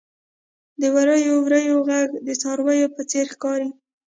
• د وریو وریو ږغ د څارويو په څېر ښکاري.